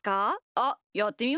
あっやってみます？